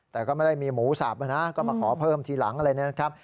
แต่ก็ไม่ได้มีหมูสับนะก็มาขอเพิ่มทีหลังอะไรนะครับ